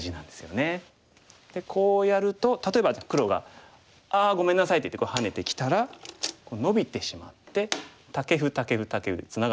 でこうやると例えば黒が「ああごめんなさい」って言ってハネてきたらノビてしまってタケフタケフタケフでツナがってますよね。